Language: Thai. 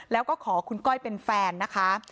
แล้วก็ขอคุณก้อยเป็นแฟนนะคะ